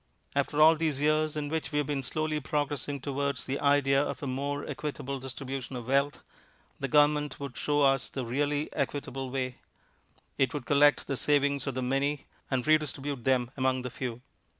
After all these years in which we have been slowly progressing towards the idea of a more equitable distribution of wealth, the Government would show us the really equitable way; it would collect the savings of the many, and re distribute them among the few.